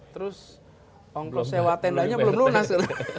terus ongklos sewa tendanya belum lunas